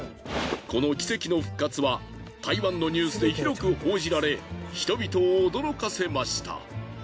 この奇跡の復活は台湾のニュースで広く報じられ人々を驚かせました。